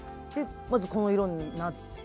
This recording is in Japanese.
まずこの色になって。